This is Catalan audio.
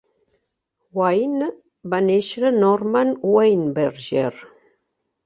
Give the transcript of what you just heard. Wayne va néixer Norman Weinberger.